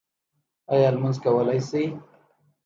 ایا لمونځ کولی شئ؟